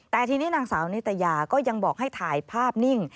แต่ทีนี้นางสาวนิตยาก็ยังบอกให้ถ่ายภาพนิ่ง